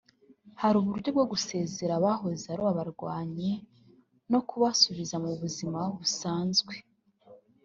Hari uburyo bwo gusezerera abahoze ari abarwanyi no kubasubiza mu buzima busanzwe